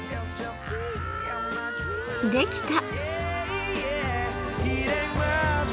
できた！